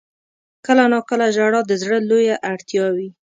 • کله ناکله ژړا د زړه لویه اړتیا وي.